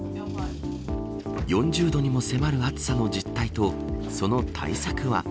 ４０度にも迫る暑さの実態とその対策は。